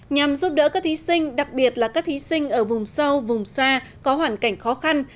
nhằm giúp đỡ các thí sinh đặc biệt là các thí sinh ở vùng sâu vùng xa có hoàn cảnh khó khăn